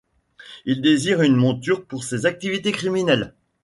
Il désire une monture pour ses activités criminelles.